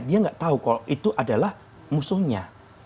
dia nggak tahu kalau itu adalah musuhnya